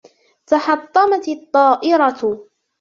تحطمت الطائرة.